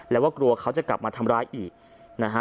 แล้วว่ากลัวเขาจะมาทำร้ายอีกนะฮะ